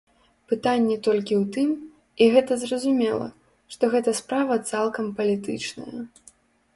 Пытанне толькі ў тым, і гэта зразумела, што гэта справа цалкам палітычная.